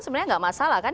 sebenarnya nggak masalah kan